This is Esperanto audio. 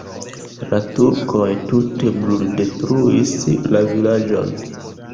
La turkoj tute bruldetruis la vilaĝon.